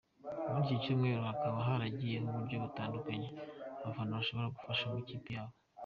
Muri iki cyumweru hakaba haragiyeho uburyo butandukanye abafana bashobora gufashamo ikipe yabo.